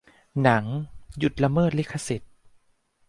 หนัง หยุดละเมิดลิขสิทธิ์